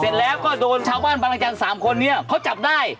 เสร็จแล้วก็โดนชาวบ้านบางราชันสามคนเค้าจับได้